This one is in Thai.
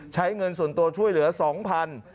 ใช้เงินส่วนตัวช่วยเหลือ๒๐๐บาท